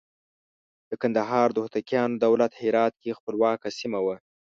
د کندهار د هوتکیانو دولت هرات کې خپلواکه سیمه وه.